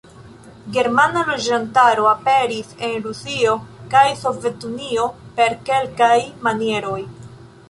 Germana loĝantaro aperis en Rusio kaj Sovetunio per kelkaj manieroj.